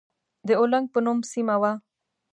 د اولنګ په نوم سيمه وه.